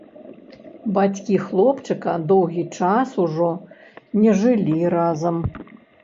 Бацькі хлопчыка доўгі час ужо не жылі разам.